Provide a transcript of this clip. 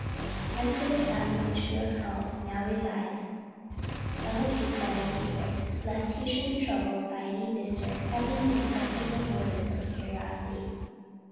As to the town in which Felix Holt now resides, I will keep that a secret, lest he should be troubled by any visitor having the insufferable motive of curiosity.